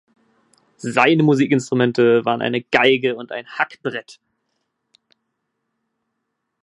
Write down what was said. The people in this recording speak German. Seine Musikinstrumente waren eine Geige und ein Hackbrett.